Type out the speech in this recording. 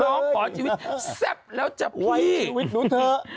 ร้องขอชีวิตแซ่บแล้วจ้ะพี่ชีวิตหนูเถอะ